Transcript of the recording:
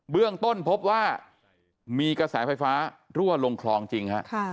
เรื่องต้นพบว่ามีกระแสไฟฟ้ารั่วลงคลองจริงฮะ